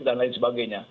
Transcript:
dan lain sebagainya